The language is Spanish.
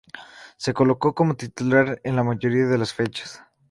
Se colocó como titular en la mayoría de las fechas.